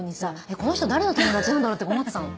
「この人誰の友達なんだろ？」とか思ってたの。